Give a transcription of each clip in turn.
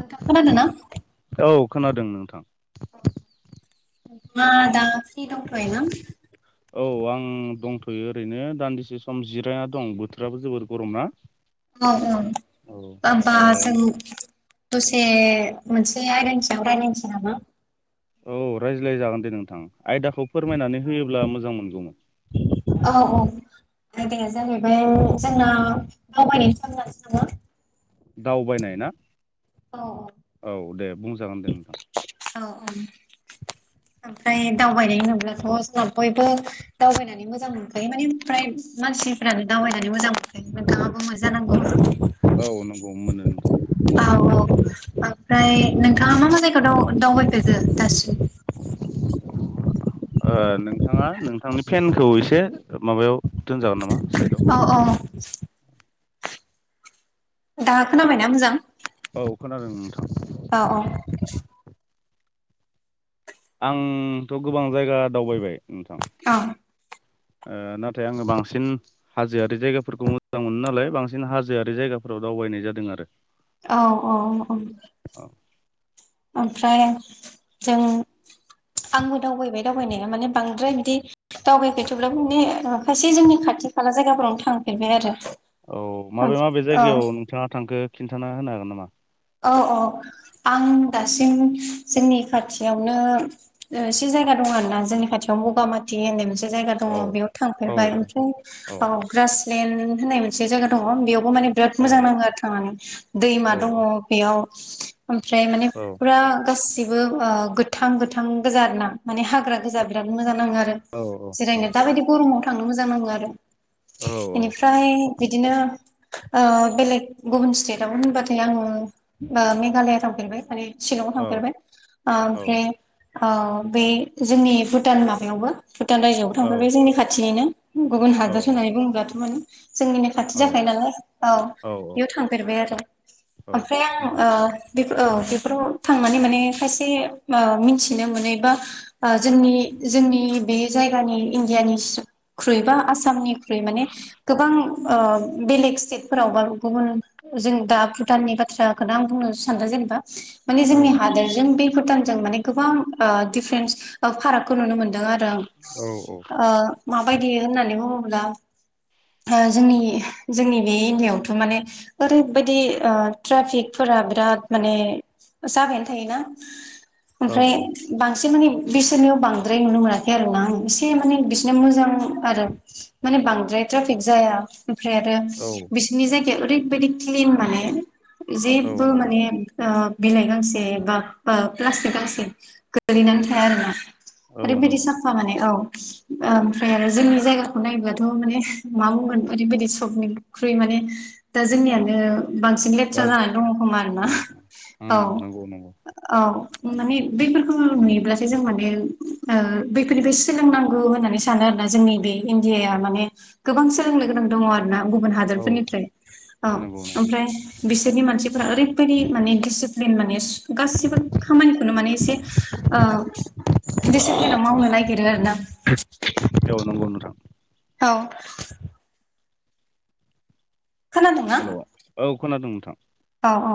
नोंथां खोनादों ना औ खोनादों नोंथां अ नोंथां आ दा फ्रि दंथ'योना औ आं दंथ'यो ओरैनो दान्दिसे सम जिराना दं बोथोराबो जोबोर गरम ना औ औ औ ओ नोंथां दसे मोनसे आइदानि सायाव रालायनोसै नामा औ रायज्लायजागोन दे नोंथां आयदाखौ फोरमायनानै होयोब्ला मोजां मोनगौमोन औ औ आदाया जाहैबाय जोंना दावबायनायनि सोमोन्दै दावबायनाय ना औ औ दे बुंजागोन दे नोंथां औ औ ओमफ्राय दावबायनाय होनोब्लाथ' जों बयबो दावबायनानै मोजां मोनखायो माने फ्राय मानसिफोरानो दावबायनानै मोजां मोनखायो नोंथाङाबो मोजां जानांगौ औ नंगौ मोनो नोंथां औ औ ओमफ्राय नोंथाङा मा मा जायगायाव दाव दावबायफेरदो दासिम ओ नोंथाङा नोंथांनि फेनखौ एसे माबायाव दोनजागोन नामा साइदआव अ दाहा खोनाबायना मोजां औ खोनादों नोंथां अ अ आंथ' गोबां जायगा दावबायबाय नोंथां औ ओ नाथाय आङो बांसिन हाजोआरि जायगाफोरखौ मोजां मोनो नालाय बांसिन हाजोआरि जायगाफोराव दावबायनाय जादों आरो औ औ औ अ ओमफ्राय जों आंबो दावबायबाय दावबायनाया माने बांद्राय बिदि दावबायफैथोबब्लाबो बिनि माखासे जोंनि खाथि खाला जायगाफोरावनो थांफेरबाय आरो औ माबे माबे औ जायगायाव नोंथाङा थांखो खिन्थाना होनो हागोन नामा औ औ आं दासिम जोंनि खाथियावनो एसे जायगा दङ आरो ना जोंनि खाथियाव बगामाथि होननाय मोनसे जायगा दङ औ बेयाव औ थांफेरबाय औ औ ओमफ्राय ग्रासलेणड होननाय मोनसे मोनसे जायगा दङ बेयावबो माने बिराद औ मोजां नाङो आरो थांनानै दैमा दङ औ बेयाव ओमफ्राय माने औ पुरा गासिबो ओ गोथां गोथां गोजा आरो ना माने हाग्रा गोजा बिराद मोजां नाङो आरो औ औ जिरायनो दाबायदि गरमाव थांनो मोजां नांङो आरो औ इनिफ्राय बिदिनो बेलेग गुबुन स्टेटआवनो होनबाथाय आङो ओ मेघालया थांफेरबाय माने शिलंआव औ थांफेरबाय ओमफ्राय ओ बे जोंनि भुटान माबायावबो भुटान रायजोआवबो थांफेरबाय जोंनि खाथिनिनो गुबुन हादोर होननानै बुङोब्लाथ' माने जोंनि नो खाथि औ जाखायो नालाय औ बेयाव थांफेरबाय आरो औ ओमफ्राय आं मोजां ओ बि ओ बेफोराव थांनानै माने खायसे ओ मिथिनो मोनो बा ओ जोंनि जोंनि बे जायगानि इण्डियानिसिप ख्रुइबा आसामनिख्रुइ माने गोबां ओ बेलेग स्टेटफोरावबा गुबुन जों दा भुटाननि बाथ थ्राखौ आं बुंनो सानदों जेनेबा माने औ जोंनि हादोरजों बे भुटानजों माने गोबां ओ डिफारेन्स फारागखौ नुनो मोनदों आरो औ औ ओ माबायदि होननानै बुङोब्ला ओ जोंनि जोंनि बे एरियाायावथ' माने ओरैबायदि ओ ट्राफिकफोरा बिराद माने ओ जाबायानो थायोना औ ओमफ्राय बांसिन माने बिसोरनियाव बांद्राय नुनो मोनाखै आरोना आं एसे माने बिसोरनो मोजां आरो माने बांद्रायट्राफिक जाया ओमफ्राय आरो औ औ बिसोरनि जायगाया ओरैबायदि क्लिन माने औ जेबो नंगौ माने ओ बिलाइ गांसे बा ओ प्लास्टिक गांसे गोग्लैनानै थाया आरो ना औ ओरैबादि नंगौ नोंथां साफा माने औ ओ ओमफ्राय आरो जोंनि जायगाखौ नायबथ' माने मा बुंनो ओरैबायदि सबनिल ख्रुइ माने दा जोंनियानो बांसिन था् गाज्रि जानानै दङ खोमा आरोना उम औ उम नंगौ नंगौ औ माने बफोरखौ नुयोब्लासो जों माने बैफोरनिफ्राय सोलोंनांगौ होननानै स सानो आरो ना जोंनि बे इण्डियााया माने गोबां सोलोंनो गोनां दङ आरो ना गुबुन औ हादोरफोरनिफ्राय औ नंगौ नंगौ ओमफ्राय बिसोरनि मानसिफोरा ओरैबायदि माने डिसिप्लिन माने गासिबो खामानिखौनो माने एसे औ दिडिसिप्लिनाव मावनो नागिरो आर ना औ नंगौ नोंथां औ खोनादोंना? हेलौ औ खोनादों नोंथां औ औ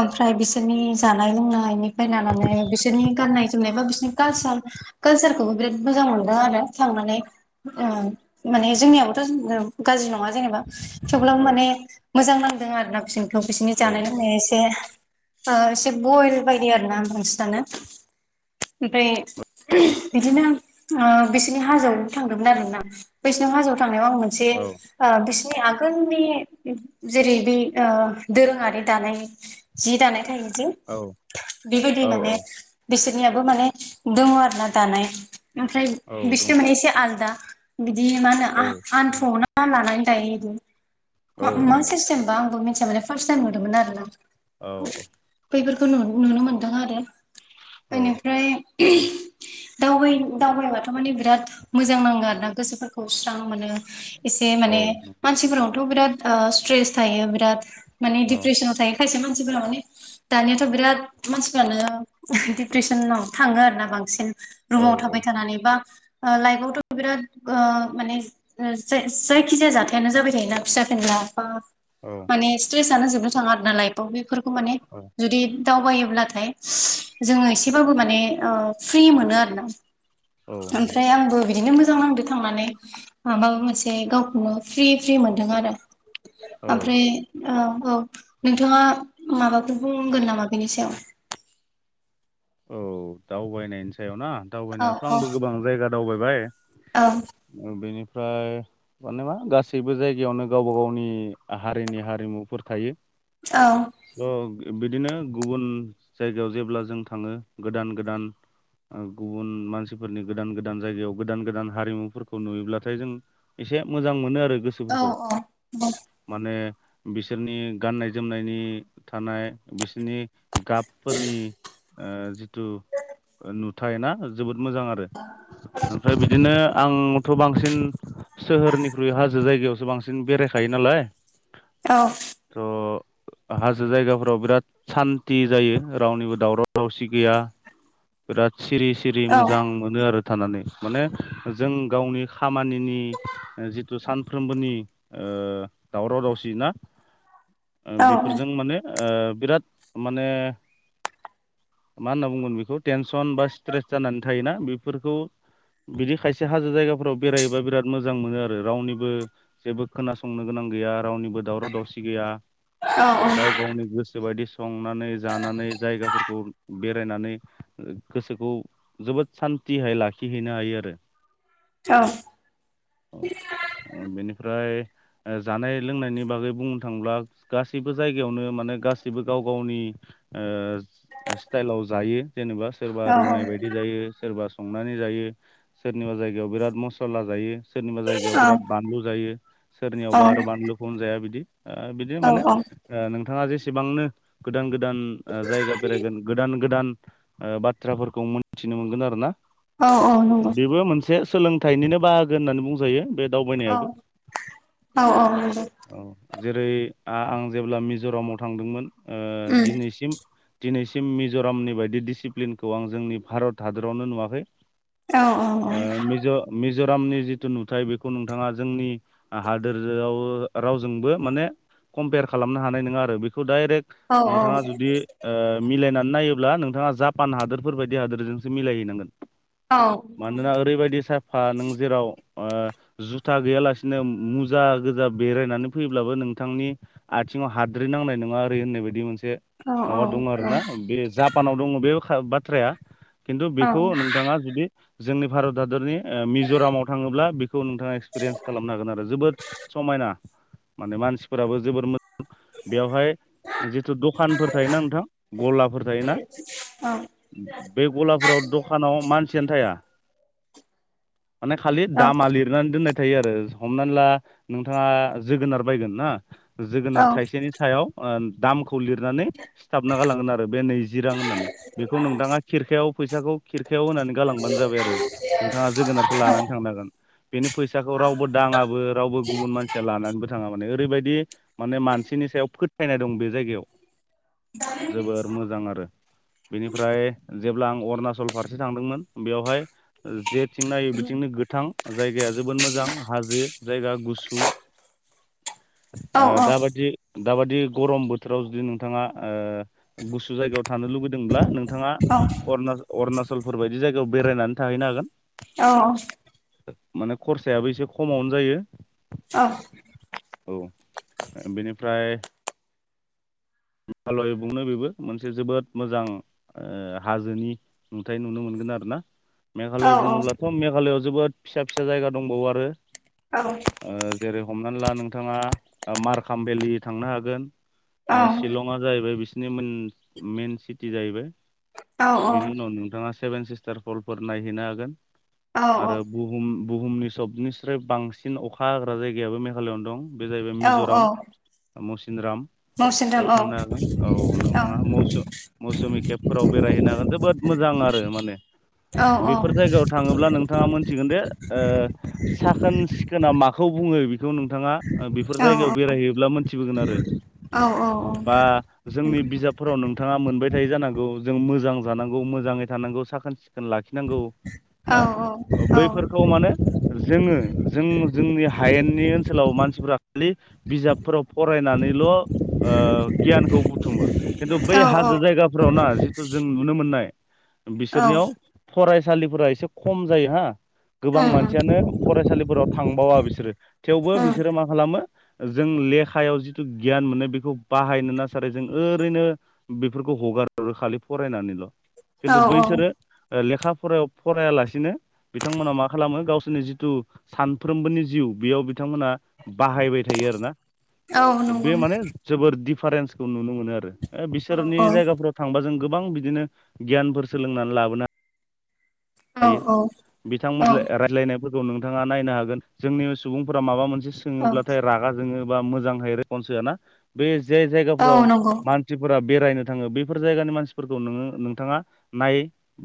ओमफ्राय बिसोरनि जानाय लोंनायनि बायनानै बिसोरनि गाननाय जोमनाय बा बिसोरनि कालसार कालसारखौबो बिराद मोजां मोनदों आरो थांनानै ओ माने जोंनियाबोथ' गाज्रि नङा जेनेबा थेवब्लाबो औ माने मोजां नांदों आरो ना बिसनिथ' बिसोरनि जानाय औ लोंनाया एसे से एसे बयल बायदि आर ना बांसिनानो ओमफ्राय [unintelligible] बिदिनो बिसिनि हाजोआव थांदोंमोन आरो ना बैसिनिाव हाजोआव थांनायाव आं जे औ ओ मोने बिसनि आगोलनि जेरै बे दोरोङारि दानाय जि दानाय थायोजि औ बेबायदि औ माने बिसोरनियाबो माने दङ आरो ना दानाय ओमफ्राय औ बिसोरो दङ माने एसे आलदा बिदि मा होनो औ आ-आनथुआवनो लानानै दायो इदि। मा औ मा नंगौ सिस्टेम बा आंबो मिथिया माने फारताइम नुदोंमोन आरो ना औ बैफोरखौ नु-नुनो मोनदों आरो औ बेनिफ्राय [unintelligible] दावबाय दावबायबाथ' माने बिराद मोजां नाङो आरो ना गोसोफोरखौ स्रां मोनो। एसे औ माने मानसिफोरनावथ' बिराद ओ स्ट्रेस थायो बिराद माने औ डिप्रेसनाव थायो खायसे मानसिफोरा माने दानियाथ' बिराद मानसिफ्रानो दिप्रेसनाव थाङो आरो ना बांसिन। रुमाव थाबाय औ थानानै बा ओ लाइफआवथ' बिराद ओ माने ओ जा-जायखिजाया जाथायानो जाबाय थायोना फिसा फिनला बा औ ने स्ट्रेसआनो जोबनो थाङा आर ना लाइफाव बेफोरखौ माने औ जुदि दावबायोब्लाथाय जोङो एसेबाबो माने ओ फ्रि मोनो आरो ना? औ नंगौ ओमफ्राय आंबो बिदिनो मो जां नांदो थांनानै माबा मोनसे गावखौनो फ्रि फ्रि मोनदों आरो। औ ओमफ्राय औ औ नोंथाङा माबाफोर बुंगोन नामा बेनि सायाव? औ दावबायनायनि सायाव ना औ दावबायनायावथ' औ आंबो गोबां जायगा दावबायबाय। ओ बेनिफ्राय माने मा गासैबो जायगायावनो गावबा गावनि हारिनि हारिमुफोर थायो। औ थ' बिदिनो गुबुन जायगायाव जेब्ला जों थाङो गोदान गोदान ओ गुबुन मानसिफोरनि गोदान गोदान जायगायाव गोदान गोदान हारिमुफोरखौ नुयोब्लाथाय जों एसे मोजां मोनो आरो गो औ सोफोरखौ औ माने बिसोरनि गाननाय जोमनायनि थानाय बिसनि गाबफोरनि ओ जिथु ओ नुथाय ना? जोबोद मोजां आरो ओमफ्राय बिदिनो आं थ' बांसिन सोहोरनिख्रुइ हाजो जायगायावसो बांसिन बेरायखायो नालाय। औ थ' हाजो जायगाफोराव बिराद सान्ति जायो रावनिबो दावराव दावसि गैया। बिराद सिरि सिरि मोजां मोनो आरो। थानानै माने जों गावनि खामानिनि जिथु सानफ्रोमबोनि ओ दावराव दावसि ना? [inaudible] ओ बेफोरजों माने ओ बिराद माने मा होनना बुंगोन बेखौ टेनसन बा स्ट्रेस जानानै थायोना बेफोरखौ बिदि खायसे हाजो जायगाफोराव बेरायोबा बिराद मोजां मोनो आरो रावनिबो जेबो खोनासंनो गोनां गैया रावनिबो दावराव दावसि गैया। औ गाव गावनि गोसो बायदि संनानै जानानै जायगाफोरखौ बेरायनानै ओ गोसोखौ जोबोद सान्तिहाय लाखिहैनो हायो आरो। औ ओ बेनिफ्राय ओ जानाय लोंनायनि बागै बुंनो थांङोब्ला गा सैबो जायगायावनो माने गासिबो गाव गावनि ओ ओ स्टाइलाव जायो जेनेबा सोरबा रुनाय बायदि जायो सोरबा संनानै जायो। सोरनिबा जायगायाव बिरात मस'ला जायो। सोरनिबा जाय गायाव औ बिराद बानलु जायो औ सोरनियावबा आरो बानलुखौनो जाया बिदि ओ बिदिनो औ माने ओ नोंथाङा जेसेबांनो गोदान गोदान ओ जायगा बेरायगोन गोदान गोदान ओ बाथ्राफोरखौ मोनथिनो मोनगोन आरो ना नंगौ औ नंगौ बेबो मोन से सोलोंथाइनिनो बाहागो होननानै बुंजायो बे औ दावबायनायाबो। औ औ औ जेरै आं जेब्ला मिज'रामाव थांदोंमोन ओ दिनैसिम दिनैसिम मिज'रामनि बायदि डिसिप्लिनखौ आं जोंनि भारत हादरावनो नुवाखै ओ मिज मिज'रामनि जिथु नुथाय बेखौ नोंथाङा जोंनि हादोरआव रावजोंबो माने कम्पेयार खालामनो हानाय नङा आरो बेखौ डाइरेक्ट नोंथाङा औ जुदि ओ मिलायनानै नायोब्ला नोंथाङा जापान हादोरफोर बायदि हादोरजोंसो मिलायहैनांगोन मानोना ओरैबायदि साफा नों जेराव ओ जुथा गैयालासिनो मुजा गोजा बेरायनानै फैब्लाबो नों बिथांनि आथिङाव हाद्रि नांनाय नङा ओरै होननाय बायदि मोनसे माबा दङ आरो ना बे जाब फानाव दङ बे बाथ्राया खिन्थु बेखौ नोंथाङा जुदि जोंनि भारत हादरनि ओ मिज'रामाव थाङोब्ला बेखौ नोंथाङा एक्सपिरियेन्स खालामनो हागोन आरो जोबोद समायना माने मानसिफोराबो जोबद मो बेवहाय जिथु दखानफोर थायोना नोंथां गलाफोर थायोना औ बे गलाफोराव दखानाव मानसियानो थाया माने खालि औ दामा लिर नानै दोननाय थायो आरो हमनानै ला नोंथाङा जोगोनार बायगोन ना औ जोगोनार औ थाइसेनि सायाव ओ दामखौ लिरनानै सिथाबना गालांगोन आरो बे नैजि रां होननानै बेखौ नोंथाङा खिरखायाव फैसाखौ खिरखायाव होनानै गालांबानो जाबाय आरो नोंथाङा जोगोनारखौ लानानै थांन हांगोन बेनि फैसाखौ रावबो दाङाबो रावबो गुबुन मानसिया लानानैबो थाङा माने। ओरैबायदि माने मानसिनि सायाव फोथायनाय दं बे जायगायाव जोबोर मोजां आरो बेनिफ्राय जेब्ला आं अरुणाचल फारसे थांदोंमोन बेवहाय जेथिं नायो बिथिंनो गोथां जायगाया जोबोद मोजां हाजो जायगा गुसु औ ओ दा नंगौ बाजि दाबाददि गरम बोथोराव जुदि नोंथाङा ओ गुसु जायगायाव थानो लुुबैदोंब्ला नों नोंथाङा अ अरुणचलफोर बायदि जायगायाव बेरायनानै थाहैनो हागोन। औ माने खरसायाबो एसे खमावनो जायो औ औ बेनिफ्राय हिमालय बुंनो बेबो मोनसे जोबोद मोजां ओ हाजोनि नुथाय नुनो मोनगोन आरो ना। मेघालय बुङोब्लाथ' मेघालयआव जोबोद फिसा फिसा जायगा दंबावो आरो। औ ओ जेरै हमनानै ला नोंथाङा मारकाम भेलि थांनो हागोन। जैबाय बिनि सि जै बिनि उनावोंथाङा [unintelligible] सेभेन सिस्टार हलफोर नायहैनो हागोन आरो बुहुम बुहुमनि सबनिस्र बांसिन अखा हाग्रा जायगायाबो मेघालयनो दं। बे जाहैबाय मिज'राम मुसिनदराम बेयाव थांनो हागोन औ नोंथाङा मोसौ मौसुमि खेबफोराव बेरायहैनो हागोन जोबोद मोजां आरो माने औ औ बेफोर जायगायाव थाङोब्ला नोंथाङा मोनथिगोन दे ओ साखोन सिखोना माखौ बुङो। बेखौ नोंथाङा बेफोर जायगायाव बेरायहैयोब्ला मोनथिबोगोन आरो औ औ बा जोंनि बिजाबफोराव नोंथाङा मोनबाय थायो जानांगौ जों मोजां जानांगौ मोजाङै थानांगौ साखोन सिखोन लाखि नांगौ हो बैफोरखौ मानो जोङो जों जोंनि हायेननि ओनसोलाव मानसिफोरा खालि बिजाबफोराव फरायनानैल' ओ गियानखौ बुथुमो। खिन्थु बै हाजो जायगाफ्राव ना जि थ' जों नुनो मोननाय बिसोरनियाव फरायसालिफोरा एसे खम जायो हा। गोबां मानसियानो फरायसालिफोराव थांबावा बिसोरो थेवबो बिसोरो मा खालामो जों लेखायाव जिथु गियान मोनो बेखौ बाहायनो नासारै जों ओरैनो बेफोरखौ हगारहरो खालि फरायनानैल' खिन्थु बैसोरो लेखा फरायायाव फरायालासिनो बिथांमोना मा खालामो गावसोरनि जिथु सानफ्रोमबोनि जिउ बेयाव बिथांमोना बाहायबाय थायो आरो ना। बे माने जोबोर दिफारेन्सखौ नुनो मोनो आरो। ओ बिसोरनि जायगाफोर थांबा जों गोबां बिदिनो गियानफोर सोलोंनानै लाबोनो हायो बिथांमोन ला-रायज्लायनायफोरखौ नोंथाङा नायनो हागोन। जोंनि सुबुंफोरा माबा मोनसे सो सोङोब्लाथाय रागा जोङो बा मोजाङै रेसपन्स होआ ना, बे जे जाय जायगाफोराव मा नसिफोरा बेरायनो थाङो बैफोर जायगानि मानसिफोरखौ नोङो नोंथाङा नाय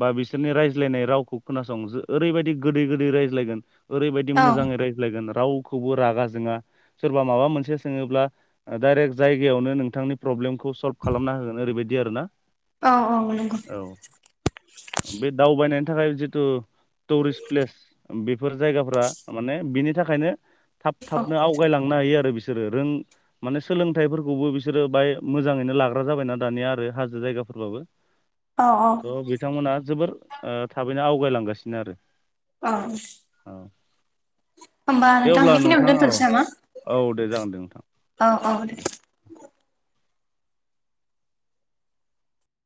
बा बिसोरनि रायज्लायनाय राव खौ खोनासं, ओरैबायदि गोदै गोदै रायज्लायगोन ओरैबायदि मोजाङै राय ज्लायगोन रावखौबो रागा जोङा सोरबा माबा मोनसे सोङोब्ला ओ डायरेक्ट जायगायावनो नोंथांनि प्रब्लेमखौ सल्भ खालामना होगोन ओरैबायदि आरोना। औ औ नंगौ। औ। बे दावबायनायनि थाखाय जिथु टुरिस्ट प्लेस बेफोर जायगाफ्रा माने बिनि थाखायनो थाब थाबनो आव गायलांनो हायो आरो बिसोरो रों माने सोलोंथाइफोरखौबो बिसोरो बाय मोजाङैनो लाग्रा जाबायना दानिया आरो हाजो जायगाफोरबाबो। अ अ। थ' बिथांमोना जोबोर ओ थाबैनो आवगायलांगासिनो आरो। औ। औ। होमबा दे नोंथां अब्ला बेखिनियावनो औ दोनथ'नोसै नामा? औ दे जागोन दे नोंथां औ औ।